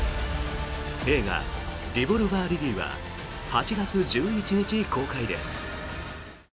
映画「リボルバー・リリー」は８月１１日公開です。